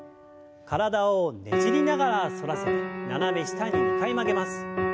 体をねじりながら反らせて斜め下に２回曲げます。